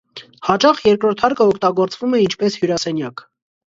Հաճախ երկրորդ հարկը օգտագործվում է ինչպես հյուրասենյակ։